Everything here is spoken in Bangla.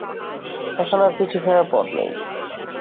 এখন আর পিছু ফেরার পথ নেই।